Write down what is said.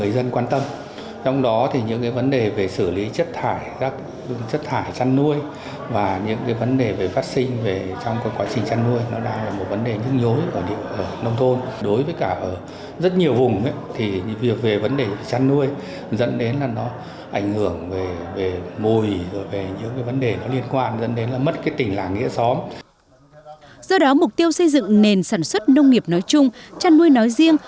do đó mục tiêu xây dựng nền sản xuất nông nghiệp nói chung chân nuôi nói riêng